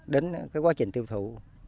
đến cái quá trình tiêu thụ